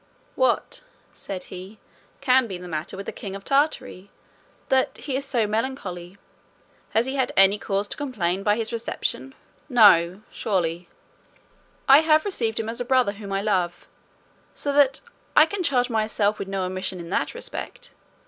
"What," said he, "can be the matter with the king of Tartary that he is so melancholy? Has he any cause to complain of his reception? No, surely; I have received him as a brother whom I love, so that I can charge myself with no omission in that respect.